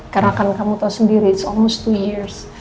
karena kan kamu tahu sendiri it's almost two years